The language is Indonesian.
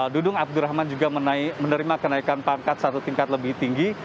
dudung abdurrahman juga menerima kenaikan pangkat satu tingkat lebih tinggi